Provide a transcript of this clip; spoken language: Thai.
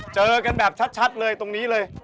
เจอกันแบบชัดเลยตรงนี้เลย